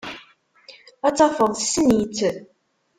Ad tafeḍ tessen-itt.